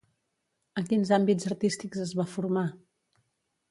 En quins àmbits artístics es va formar?